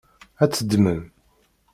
Ad tt-ddmen?